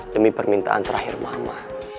demi permintaan terakhir mama